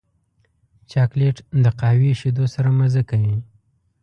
چاکلېټ د قهوې شیدو سره مزه کوي.